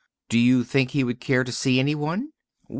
"Do you think he would care to see any one?"